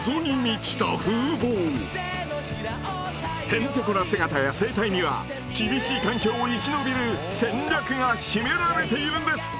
へんてこな姿や生態には厳しい環境を生き延びる戦略が秘められているんです！